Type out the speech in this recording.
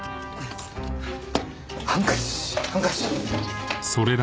ハンカチハンカチ。